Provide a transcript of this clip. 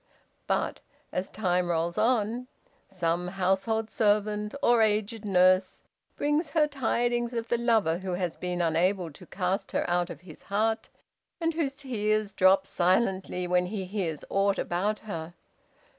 But, as time rolls on, some household servant or aged nurse brings her tidings of the lover who has been unable to cast her out of his heart, and whose tears drop silently when he hears aught about her.